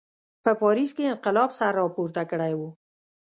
په پاریس کې انقلاب سر راپورته کړی و.